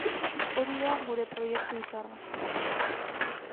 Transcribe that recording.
Hori da gure proiektu izarra.